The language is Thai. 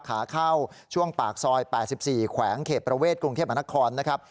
ขาเข้าช่วงปากซอย๘๔แขวงเขตประเวทกรุงเทพมหานครนะครับ